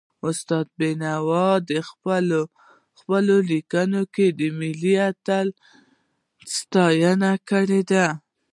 استاد بينوا په پخپلو ليکنو کي د ملي اتلانو ستاینه کړې ده.